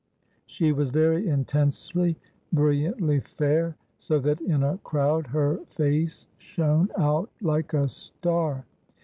She was very intensely, brilliantly fair, so that in a crowd her face shone out like a star.